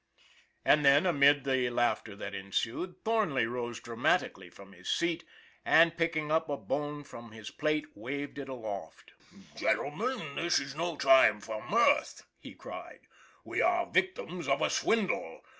And then, amid the laughter that ensued, Thornley rose dramatically from his seat, and, picking up a bone from his plate, waved it aloft. 294 ON THE IRON AT BIG CLOUD " Gentlemen, this is no time for mirth !" he cried. "We are the victims of a swindle.